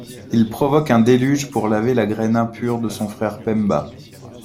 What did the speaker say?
Il provoque un déluge pour laver la graine impure de son frère Pemba.